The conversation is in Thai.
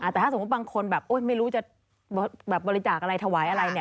แต่ถ้าสมมุติบางคนแบบไม่รู้จะบริจาคอะไรถวายอะไรเนี่ย